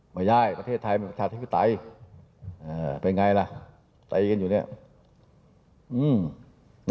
ไม่ใช่ประเทศไทยเป็นประชาธิปไตยเป็นไงล่ะตีกันอยู่เนี่ย